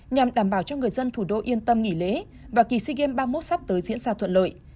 nhằm đảm bảo cho người dân thủ đô yên tâm nghỉ lễ và kỳ sea games ba mươi một sắp tới diễn ra thuận lợi